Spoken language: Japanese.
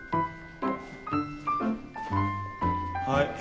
はい。